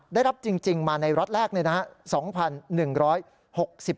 ได้รับจริงมาในร็อตแรกนะครับ